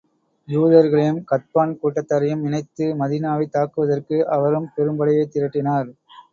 யூதர்களையும், கத்பான் கூட்டத்தாரையும் இணைத்து, மதீனாவைத் தாக்குவதற்கு, அவரும் பெரும் படையைத் திரட்டினார்.